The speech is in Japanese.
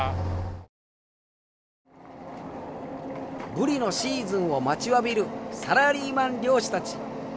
ブリのシーズンを待ちわびるサラリーマン漁師たち。